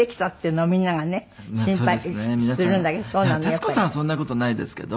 徹子さんはそんな事ないですけど。